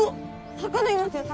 魚いますよ魚。